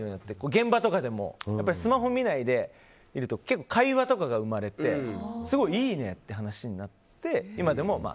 現場とかでもスマホ見ないでいると会話とかが生まれてすごくいいねっていう話になって。